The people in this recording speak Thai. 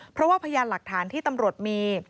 เพราะว่าพยานหลักฐานที่ตำรวจมี